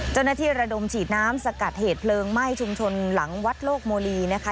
ระดมฉีดน้ำสกัดเหตุเพลิงไหม้ชุมชนหลังวัดโลกโมลีนะคะ